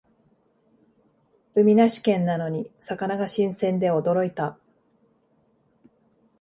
海なし県なのに魚が新鮮で驚いた